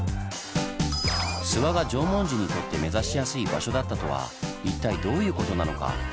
諏訪が縄文人にとって目指しやすい場所だったとは一体どういうことなのか？